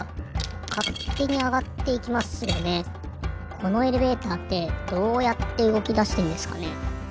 このエレベーターってどうやってうごきだしてんですかね？